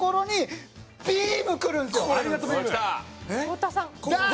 太田さん。